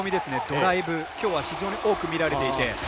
ドライブきょうは非常に多く見られていて。